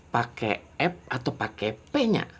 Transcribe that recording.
pakai app atau pakai penya